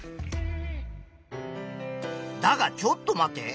だがちょっと待て。